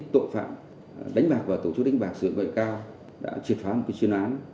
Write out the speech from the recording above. tội phạm đánh bạc và tổ chức đánh bạc sử dụng bệnh cao đã triệt phá một chuyên án